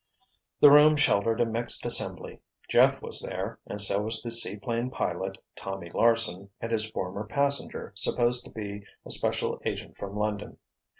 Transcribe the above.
The room sheltered a mixed assembly. Jeff was there, and so was the seaplane pilot, Tommy Larsen, and his former "passenger" supposed to be a special agent from London.